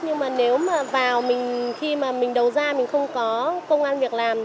nhưng mà nếu mà vào mình khi mà mình đầu ra mình không có công an việc làm